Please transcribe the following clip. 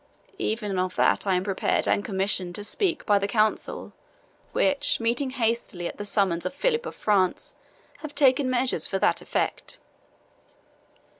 "Even of that I am prepared and commissioned to speak by the Council, which, meeting hastily at the summons of Philip of France, have taken measures for that effect."